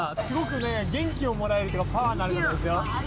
すごく元気をもらえるっていうかパワーのある方ですよ！